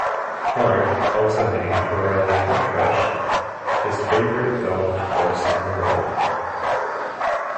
Clarke also named Royal Portrush his favourite golf course in the world.